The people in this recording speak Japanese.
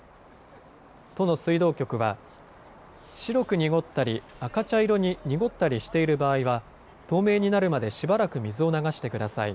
都の水道局は白く濁ったり、赤茶色に濁ったりしている場合は透明になるまでしばらく水を流してください。